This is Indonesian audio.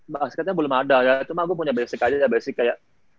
basketnya belum ada cuma gue punya basic aja basic kayak